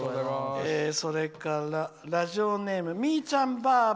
それからラジオネームみーちゃんばあば。